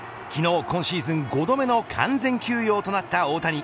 昨日、今シーズン５度目の完全休養となった大谷。